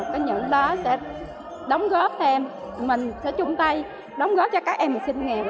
có những đó sẽ đóng góp thêm mình sẽ chung tay đóng góp cho các em sinh nghèo